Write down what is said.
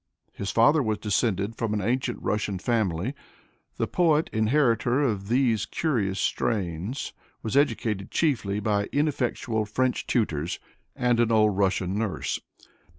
His father was descended from an ancient Russian family. The poet, inheritor of these curious strains, was educated chiefly by ineffectual French tutors and an old Russian nurse.